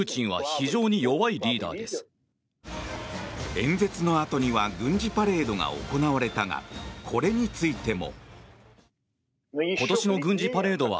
演説のあとには軍事パレードが行われたがこれについても。